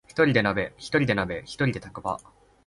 ひとりで鍋、ひとりでタコパ